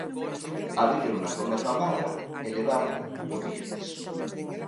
Abrírona coa mesma marra e levaron os billetes.